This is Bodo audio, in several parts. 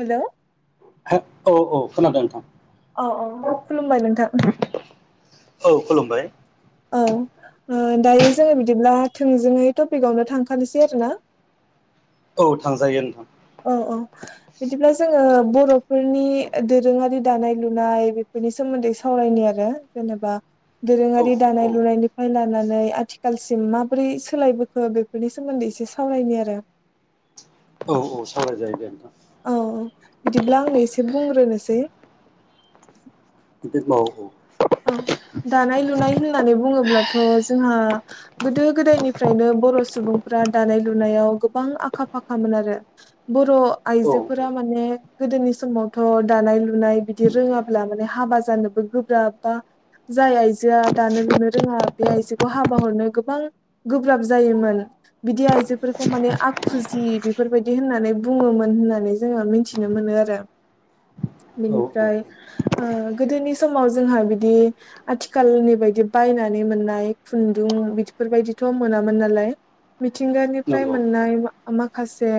हेल' औ औ खोनादों नोंथां औ औ खुलुमबाय नोंथां औ खुलुमबाय औ दायो जोङो बिदिब्ला थोंजोङै टपिकआवनो थांखानोसै आरो ना बे थांजायो नोंथां औ औ बिदिब्ला जोङो बर'फोरनि दोरोङारि दानाय लुनाय बेफोरनि सोमोन्दै सावरायनो आरो जेनेबा औ दोरोङारि औ दानाय लुनायनि लानानै आथिखालसिम माबोरै सोलायबोखो बेफोरनि सोमोन्दै एसे सावरायनि आरो [inaudible] औ औ सावराय जायो दे नोंथां औ बिदिब्ला आंनो एसे बुंग्रोनोसै [unintelligible] अ दानाय लुनाय होननानै बुङोब्लाथ' जोंहा गोदो गोदायनिफ्रायनो बर' सुबुं फ्रा दानाय लुनायाव गोबां आखा फाखामोन आरो बर' औ आइजोफोरा माने गोदोनि समावथ' दानाय लुनाय बिदि रोङाब्ला माने हाबा जानोबो गोब्राब बा जाय आइजोआ दानो लुनो रोङा बे आइजोखौ हाबा हरनो गोबां गोब्राब जायोमोन आरो बिदि आइजोफोरखौ माने आखुजि बेफोरबायदि होननानै बुङोमोन होननानै जोङो मिथिनो मो नो आरो औ औ बिनिफ्राय गोदोनि ओ समाव जोंहा बिदि आथिखालनि बायदि बायनानै मोननाय खुन्दुं बिदिफोरबायदिथ' मोनामोन नाला य मिथिंगानिफ्राय नंगौ मोननाय माखासे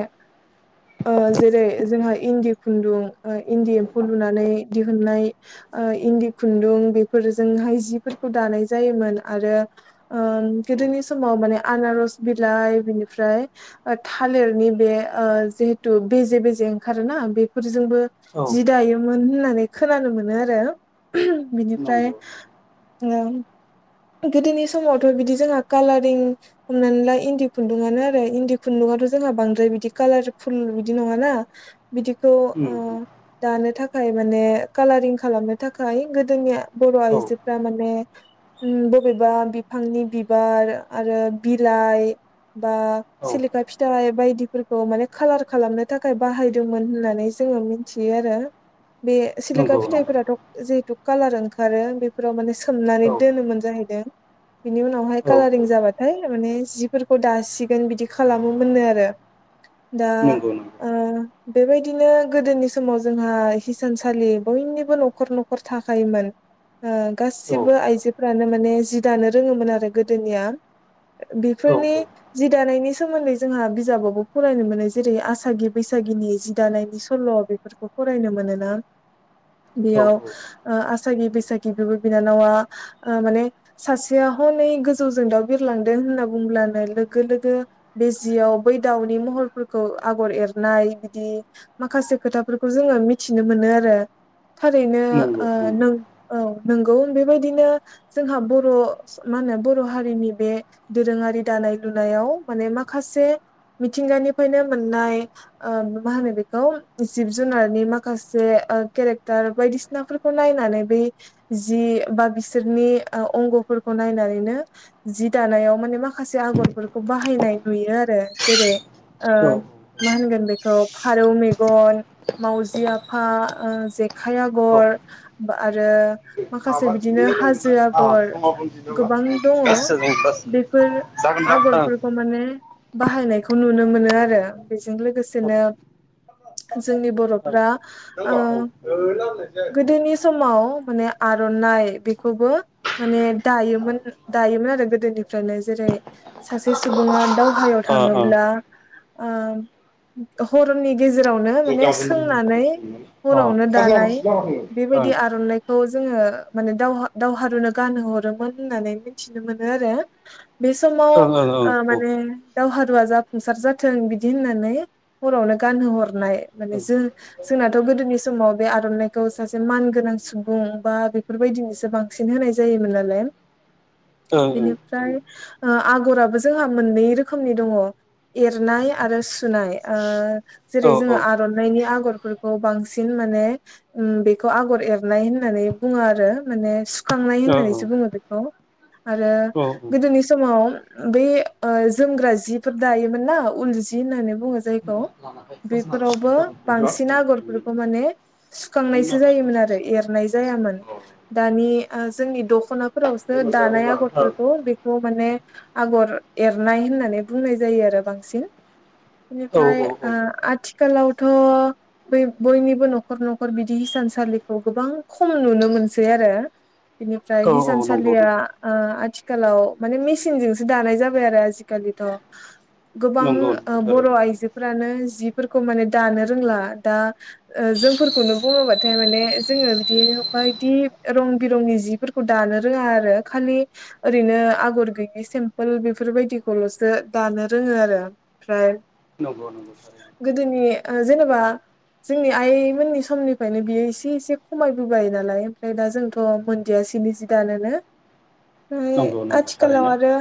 ओ जेरै जोंहा इन्दि खुन्दुं ओ इन्दि एम्फौ लुनानै दिहुननाय ओ इन्दि खुन्दुं बेफोरजोंहाय जिफोरखौ दानाय जायोमोन आरो‌ ओ औ गोदोनि समाव माने आना स बिलाइ बिनिफ्राय ओ थालिरनि बे ओ जिहेथु बेेजे बेेजे ओंखा रो ना बेफोरजोंबो औ जि दायोमोन होननानै खोनानो मोनो आरो बिनि फ्राय नंगौ ओ गोदोनि समावथ' बिदि जोंहा कालारिं हमनानै ला इन्दि खुन्दुङानो आरो इन्दि खुन्दुं थ' जोंहा बांद्राय बिदि कालारफुल बिदि नङा ना बिदिखौ ओ उम दानो था खाय माने कालारिं खालामनो थाखाय गोदोनिआ बर' औ आइजोफ्रा माने उम बबेबा बिफांनि बिबार आरो बिलाइ बा औ सिलिखा फिथाइ बायदिफोरखौ माने कालार खालामनो थाखाय बाहायदोंमोन होननानै जो ङो मिथियो आरो बे सिलिखा नंगौ नंगौ फिथाइफोराथ' जिहेथु कालार ओंखारो बेफोराव माने सोमनानै औ दोनोमोन जाहैदों बिनि उनावहाय औ कालारिं औ जाबाथाय माने जिफोरखौ दासिगोन बिदि खालामो मोननो आरो दा नंगौ ओ नंगौ बेबायदिनो गोदोनि समाव जोंहा हिसानसालि बयनिबो न'खर न'खर थाखायोमोन ओ औ गासिबो आइजोफ्रानो माने जि दानो रोङोमोन आरो गोदोनिया औ बेफोरनि जि दानायनि सोमोन्दै जोंहा बिजाबावबो फरायनो मोनो जेरै आसागि बैसा गिनि जि दानायनि सल' बेफोरखौ फरायनो मोनोना औ बेयाव ओ आसागि बैसागि बिब' बिनानावा ओ माने सासेया हनै गोजौजों दाउ बिरलांदों होनना बुंब्लानो लोगो लोगो बे जियाव बै दाउनि महरफोरखौ आगर एरनाय बिदि माखासे खोथाफोरखौ जोङो मिथिनो मोनो आरो थारैनो नंगौ ओ नों नंगौ औ नोंगौ बेबायदिनो जोंहा बर' मा होनो बर' हारिनि बे दोरोङारि दानाय लुनायाव माने मा खासे मिथिंगानिफ्रायनो मोननाय ओ मा होनो बेखौ जिब जुनारनि माखासे ओ केेरेक्टार बायदिसिनाफोरखौ‌ नायनानै बै जि बा बिस सोरनि ओ अंग'फोरखौ नायनानैनो जि दानायाव माने माखासे आगरफोरखौ बाहायनाय नुयो आरो जेरै ओ औ मा होनगोन बेखौ फारौ मेगन, मावजि आफा, ओ जेखाइ आगर बा आरो माखासे माबासो बिदिनो मोनलै हाजो आगर गोबां दङ गासै बेफोर जागोनबा आग'रफोरखौ माने बाहायनायखौ नुनो मोनो आरो बेजों जागोनबा लोगोसेनो जोंनि ओं ओं बर'फ्रा ओ गोदोनि [unintelligible] समाव माने आर'नाइ बे खौबो माने दायोमोनो दायोमोन आरो गोदोनिफ्रायनो जेरै सासे सुबुङा दाव हायाव थाङोब्ला आ हरनि गेजेरावनो माने गाबोन सोंनानै हरावनो फार्लाराव दानाय लामा दङ बेबायदि आर'नाइखौ जोङो माने दावहा दावहारुनो गानहोहरोमोन होननानै मिथिनो मोनो आरो बे समाव ओं ओं ओ ओं माने दावहारुवा जाफुंसार जाथों बिदि होननानै हरावनो गानहो हरनाय माने जों जों जोंनाथ' गोदोनि समाव बे आर'नाइखौ सासे मानगोनां सुबुं बा बेफोरबायदिनोसो बां सिन होनाय जायोमोन नालाय ओ ओ बेनिफ्राय ओ आग'राबो जोंहा मोननै रोखोमनि दङ। एरनाय आरो सुनाय ओ औ ओं औ जेरै जोङो आर'नाइनि आ गरफोरखौ बांसिन माने उम बेखौ आगर एरनाय होननानै बुङो आरो माने सु खांनाय होननानैसो बुङो बेखौ आरो औ गोदोनि समाव बै ओ जोमग्रा जिफोर दायोमोन ना उल जि जि होननानै बुङो जायखौ बेफोरावबो औ बांसिन आगरफोरखौ माने दायो सुखांनायसो माबा जायोमोन टपिक्स आरो औ एरनाय जायामोन दानि ओ जोंनि दख'नाफोरावसो दानाय आगरफोरखौ बेखौ माने आगर एरनाय होननानै बुंनाय जायो आरो बांसिन औ बेनिफ्राय ओ आथि खालावथ' बे बयनिबो न'खर न'खर बिदि हिसानसालिखौ गोबां खम नुनो मोनसै आरो बिनिफ्राय औ नंगौ हिसानसालिया ओ आथि खालाव माने मेसिनजोंसो दानाय जाबाय आरो आजिखालिथ' गोबां नंगौ ओ नंगौ बर' थारैनो आइजोफोरानो जि जिफोरखौ माने दानो रोंला दा ओ जोंफोरखौनो बुङोबाथाय माने जोङो बिदि बायदि रं बिरंनि जिफोरखौ दानो रोङा आरो खालि ओरैनो आगर गैयि सेम्पोल बेफोरबायदि खौल'सो दानो रोङो आरो ओमफ्राय नंगौ नंगौ थारैनो गोदोनि ओ जेनेबा जोंनि आइमोननि समनिफ्रायनो बियो एसे एसे खमायबोबाय नालाय ओमफ्राय दा जोंथ' थ' मोनदियासैनो जि दानो फ्राय नंगौ नंगौ आथिखालाव थारैनो आरो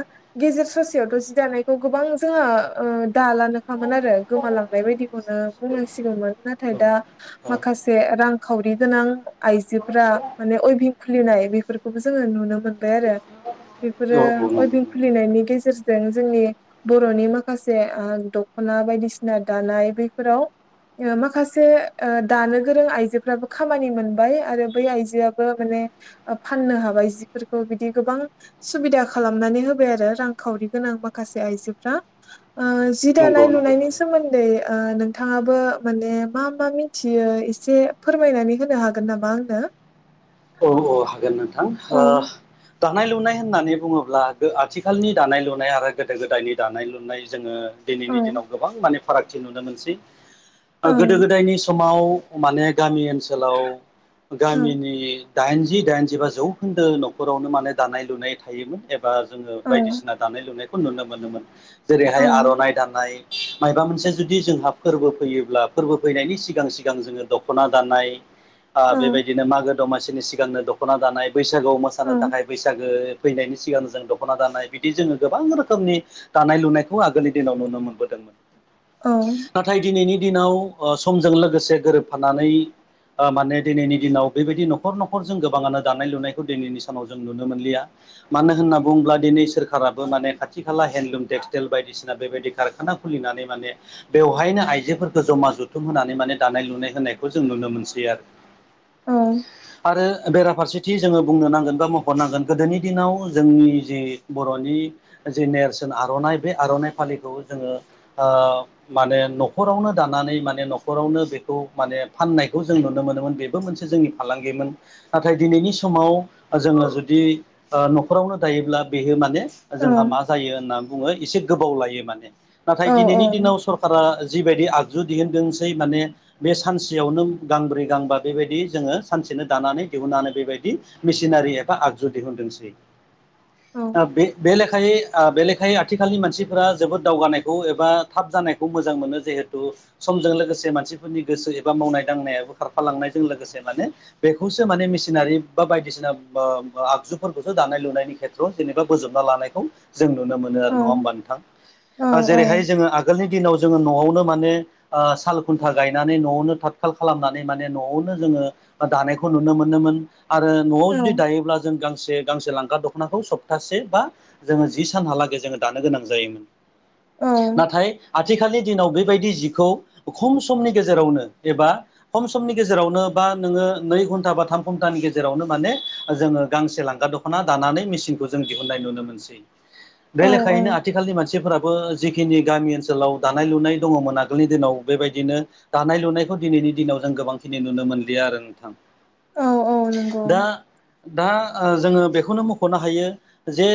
गेजेर ससेयावथ' जि दानायखौ गोबां जोङो दालानो खामोन आरो गोमालांनाय बायदिखौनो बुं नांसिगौमोन नाथाय औ दा औ माखासे रांखावरि गोनां आइजोफ्रा माने अइबिं खुलिनाय बेफोरखौबो जोङो नुनो मोनबाय आरो बेफोरो औ नंगौ अइभिं खुलिनायनि गेजेरजों जोंनि बर'नि माखासे ओ द ख'ना बायदिसिना दानाय बैफोराव ओ माखासे ओ दानो गोरों आइजोफ्राबो खामानि मोनबाय आरो बै आइजोआबो माने ओ फाननो हाबाय जिफोरखौ बिदि गोबां सुबिदा खालामनानै होबाय आरो रांखावरि गोनां माखासे आइजोफ्रा ओ जि नंगौ दानाय नंगौ लुनायनि थारैनो सोमोन्दै ओ नों थाङाबो माने मा मा मिथियो एसे फोरमायनानै होनो हागोन नामा आंनो? [inaudible] औ औ हागोन नोंथां औ दानाय लुनाय होननानै बुङोब्ला आथिखालनि दानाय लुनाय आरो गोदो गोदायनि दानाय लुनाय जोङो औ दिनैनि दिनाव गोबां माने फारागथि नुनो मोनसै गोदो गोदायनि समाव माने गामि ओनसोलाव गामिनि दाइनजि दाइनजिबा जौखोन्दो न'खरावनो माने दानाय लुनाय थायोमोन बा जोङो औ बायदिसिना दानाय लुनायखौ नुनो मोनोमोन औ जेरैहाय आर'नाइ दानाय मायोबा मोनसे जुदि जोंहा फोरबो फैयोब्ला फोरबो फैनायनि सिगां सिगां जोङो दख'ना दानाय अ औ बेबायदिनो मागो दमासिनि सिगांनो दख'ना दानाय बैसागोआव औ मोसानो थाखाय बैसागो फैनायनि सिगां जों दख'ना दानाय बिदि जोङो गोबां रोखोमनि दानाय लुनायखौ आगोलनि दिनाव नुनो मोनबोदोंमोन औ नाथाय दिनैनि दिनाव अ समजों लोगोसे गोरोबफानानै माने दिनैनि दिनाव बेबायदि न'खर न'खर न'खरजों गोबाङानो दानाय लुनायखौ दिनैनि सानाव जों नुनो मोनलिया मानो होनना बुङोब्ला दिनै सोरखारा माने खाथि खाला हेन्डलुम टेक्सटेल बायदिसिना खारखाना खुलिनानै माने बेवहायनो आइजोफोरखौ जमा जथुम होनानै माने दानाय लुनाय होनायखौ जों नुनो मोनसै आरो औ आरो बेराफारसेथि जोङो बुंनो नांगोन बा मखनांगोन गोदोनि दिनाव जोंनि जे बर'नि जि नेरसोन आर'नाइ बे आर'नाइ फालिखौ जोङो माने न'खरावनो नो दानानै माने न'खरावनो बेखौ माने फाननायखौ जों नुनो मोनोमोन बेबो मोनसे जोंनि फालांगिमोन नाथाय दिनैनि समाव जोङो जुदि न'खरावनो दायोब्ला बेयो माने औ जोंहा मा जायो होननानै बुङो एसे गोबाव लायो माने औ नाथाय दिनैनि दिनाव सरकारा जिबायदि आगजु दिहुनदोंसै माने बे सानसेयावनो गांब्रै गांबा बेबायदि जोङो सानसेनो दानानै दिहुननानै बेबायदि मेसिनारि एबा आगजु दिहुनदोंसै औ बे बेलेखा बे बेलेखायै आथिखालनि मानसिफोरा जोबोद दावगानायखौ एबा थाब जानायखौ मोजां मोनो जिहेथु समजों लोगोसे मानसिफोरनि गोसो एबा मावनाय दांनायाबो खारफालांनायजों लोगोसे माने बेखौसो माने मिसिनारि बा बायदिसिना आगजुफोरखौसो दानाय लुनायनि खेथ्रआव जेनेबा बोजबनानै लानायखौ जों नुनो मोनो आरो औ नङा हमबा औ नोंथां जेरैहाय जोङो आगोलनि दिनाव जोङो न'आवनो माने साल खुन्था गायनानै न'आवनो थाथखाल खालामनानै माने न'आवनो जोङो दानायखौ नुनो मोनोमोन आरो न'आव जुदि दायोब्ला जों गांसे गांसे लांगा दख'नाखौ सप्तासे बा जोङो जि सानहालागै जोङो दानो गोनां जायोमोन नाथाय आथिखालनि दिनाव बेबायदि जिखौ खम समनि गेजेरावनो एबा खम समनि गेजेरावनो बा नोङो नै घनटा बा थाम घन्टानि गेजेरावनो माने जोङो गांसे लांगा दख'ना दानानै मेसिनखौ जों दिहुननाय नुनो मोनसै औ बे लेखायैनो आथिखालनि मानसिफोरा जिखिनि गामि ओनसोलाव दानाय लुनाय दङमोन आगोलनि दिनाव बेबायदिनो दानाय लुनायखौ दिनै दिनाव जों गोबांखिनि नुनो मोन नोंथां औ औ नंगौ दा दा जोङो बेखौनो मख'नो हायो जे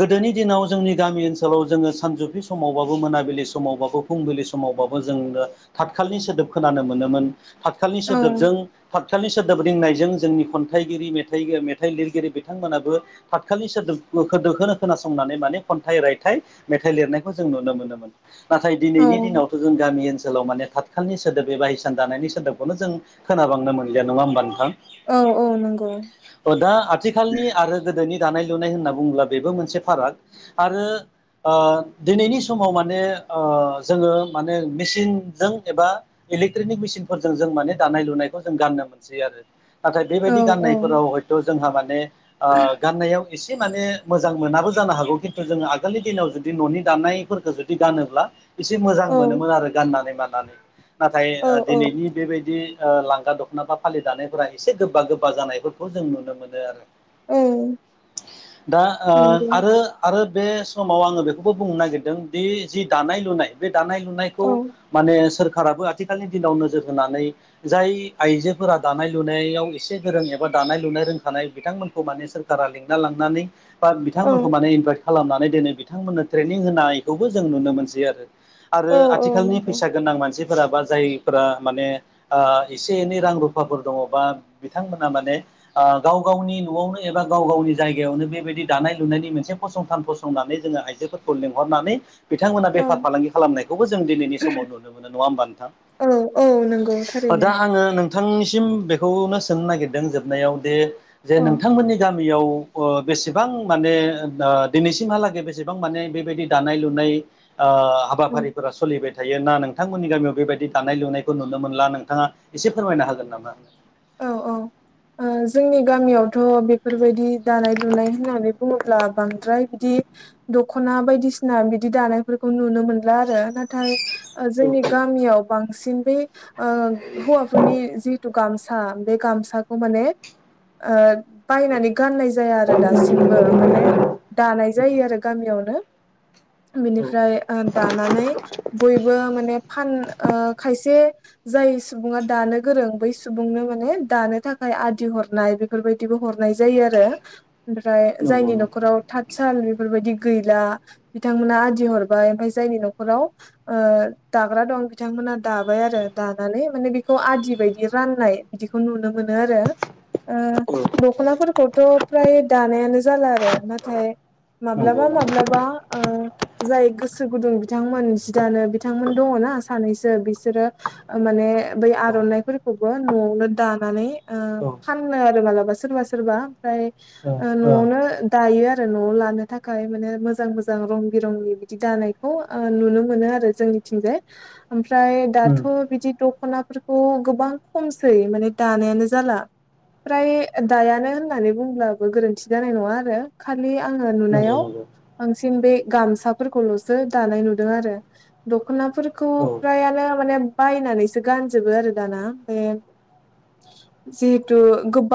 गोदोनि दिनाव जोंनि गामि ओनसोलाव जोङो सानजौफि समाव [unintelligible] मोनाबिलि समावबाबो फुंबिलि समावबाबो जोंनो थतखालनि सोदोब खोनानो मोनोमोन थाथखालनि औ सोदोबजों थाथखालनि सोदोब रिंनायजों जोंनि खन्थाइगिरि मेथाइ मेथाइ लिरगिरि बिथांमोनाबो थाथखालनि सोदोबखोनो खोनासंनानै माने खन्थाइ रायथाइ मेथाइ लिरनायखौ जों नुनो मोनोमोन नाथाय औ दिनैनि दिनावथ' जों गामि ओनसोलाव माने थाथखालनि सोदोब एबा हिसान दानायनि सोदोबखौनो जों खोनाबांनो मोनलिया नङा होमबा नोंथां औ औ नंगौ दा आथिखालनि आरो गोदोनि दानाय लुनाय होनना बुंङोब्ला बेबो मोनसे फाराग आरो ओ दिनैनि समाव माने ओ जोङो माने मेसिनजों एबा इलेकट्रनिक मिसिनफोरजों जों माने दानाय लुनायखौ जों गाननो मोनसै आरो नाथाय बेबायदि गाननायफोराव हयथ' जोंहा माने ओ गाननायाव एसे एसे माने मोजां मोनाबो जानो हागौ खिन्थु जोङो आगोलनि दिनाव जुदि न'नि दानायफोरखौ जुदि गानोब्ला एसे मोजां मोनोमोन आरो गाननानै मानानै नाथाय दिनैनि बेबायदि ओ लां गा दख'नाफा फालि दानायफोरा एसे गोबा गोबा जानायफोरखौ जों नुनो मोनो आरो दा ओ आरो आरो बे समाव आङो बेखौबो बुंनो नागिरदों दि जि दानाय लुनाय बे दानाय लुनायखौ माने सोरखाराबो आथिखालनि दिनाव नोजोर होनानै जाय आइजोफोरा दानाय लुनायाव एसे गोरों एबा दानाय लुनाय रोंखानाय बिथांमोनखौ माने सोरखारा लेंंना लां नानै बा बिथांमोनखौ माने इनभाइट खालामनानै दोनो बिथांमोननो ट्रेनिं होनायखौबो जों नुनो मोनसै आरो आरो आथिखालनि फैसा गोनां मानसिफोरा बा जायफोरा माने ओ एसे एनै रां रुफाफोर दङ बा बिथांमोना माने गाव आ गावनि न'आवनो एबा गाव गावनि जायगायावनो बेबायदि दानाय लुनायनि मोनसे फसंथान फसंनानै जोङो आइजोफोरखौ लेंंहर नानै बिथांमोना बेफार फालांगि खालामनायखौबो जों दिनैनि समाव नुनो मोनो नङा होमबा नोंथां औ नोंगौ थारैनो दा आङो नोंथांनिसिम बेखौनो सोंनो नागिरदों जोबनायाव दि जे औ नोंथांमोननि गामियाव बेसेबां माने दिनैसिमहालागै बेसेबां माने बेबायदि दानाय लुनाय ओ औ हाबाफारिफोरा सोलिबाय थायो ना नोंथांमोननि गामियाव बेबायदि दानाय लुनायखौ नुनो मोनला नोंथाङा एसे फोरमायनो हागोन नामा औ औ जोंनि गामियावथ' बेफोरबायदि दानाय लुनाय होननानै बुङोब्ला बांद्राय बिदि दखना बायदिसिना बिदि दानायफोरखौ नुनो मोनला आरो नाथाय औ जोंनि गामियाव बांसिन बेै ओ हौवाफोरनि जिथु गामसा बे गामसाखौ माने ओ बायनानै गाननाय जाया आरो दासिमबो माने दानाय जायो आरो गामियावनो औ बिनिफ्राय दानानै बयबो माने फान ओ खायसे जाय सुबुङा दानो गोरों बै सु बुंनो माने दानो थाखाय आदि हरनाय बेफोरबायदिबो हरनाय जायो आरो ओमफ्राय नंगौ जायनि नंगौ न'खराव थ साल बेफोरबायदि गैला बिथांमोना आदि हरबाय ओमफाय जायनि न'खराव ओ दाग्रा दं बिथांमोना दाबाय आरो दानानै माने बेखौ आदि बायदि राननाय बिदिखौ नुनो मोनो आरो ओ औ दख'नाफोरखौथ' फ्राय दानायानो जाला आरो नाथाय नंगौ माब्लाबा नंगौ माब्लाबा ओ जाय गोसो गुदुं बिथांमोन जिदानो बिथांमोन दङ सानैसो बिसोरो माने बै आर'नाइ फोर बो न'आवनो दानानै औ फानो आरो मालाबा सोरबा सोरबा ओमफ्राय औ न'आवनो दायो आरो न'आव लानो थाखाय माने मोजां मोजां रं बिरंनि बिदि दानायखौ नुनो मोनो आरो जोंनिथिंजाय ओमफ्राय औ दाथ' बिदि दख'नाफोरखौ गोबां खमसै माने दानायानो जाला फ्राय दायानो होननानै बुंब्लाबो गोरोन्थि जानाय नङा आरो खालि आङो नंगौ नुनायाव नंगौ बांसिन बे गामसाफोरखौल'सो दानाय नुदों आरो दख'नाफोरखौ औ फ्रायानो माने बायनानैसो गानजोबो आरो दाना जिहेथु गोबां